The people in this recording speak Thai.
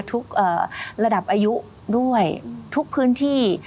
ทุกระดับอายุด้วยทุกพื้นที่